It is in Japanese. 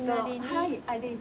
はい。